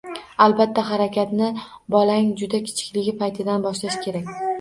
Albatta harakatni bolaning juda kichiklik paytidan boshlash kerak.